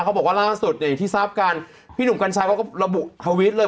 เขาบอกว่าล่าสุดเนี่ยอย่างที่ทราบกันพี่หนุ่มกัญชัยเขาก็ระบุทวิตเลย